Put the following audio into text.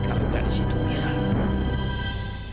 kalau gak di situ mira